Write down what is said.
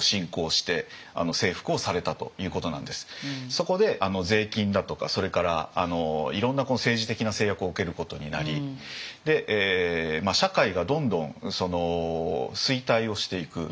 そこで税金だとかそれからいろんな政治的な制約を受けることになり社会がどんどん衰退をしていく。